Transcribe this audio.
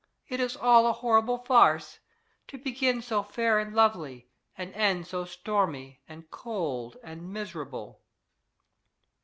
It is all a horrible farce. To begin so fair and lovely, and end so stormy and cold and miserable!"